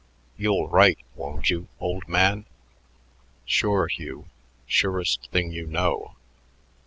"You'll write, won't you, old man?" "Sure, Hugh surest thing you know.